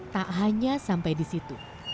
tak hanya sampai di situ